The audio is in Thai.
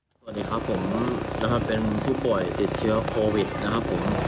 สวัสดีครับผมนะครับเป็นผู้ป่วยติดเชื้อโควิดนะครับผม